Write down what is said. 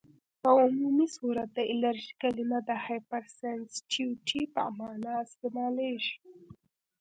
په عمومي صورت د الرژي کلمه د هایپرسینسیټیويټي په معنی استعمالیږي.